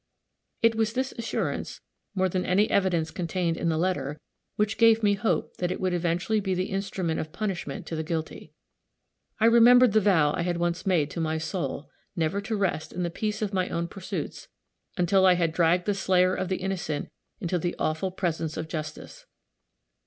It was this assurance, more than any evidence contained in the letter, which gave me hope that it would eventually be the instrument of punishment to the guilty. I remembered the vow I had once made to my soul, never to rest in the peace of my own pursuits, until I had dragged the slayer of the innocent into the awful presence of Justice.